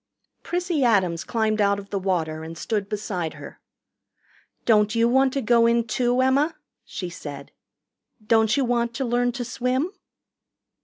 Prissy Adams climbed out of the water and stood beside her. "Don't you want to go in, too, Emma?" she said. "Don't you want to learn to swim?"